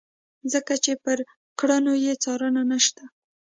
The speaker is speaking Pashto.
ځکه چې پر کړنو یې څار نشته.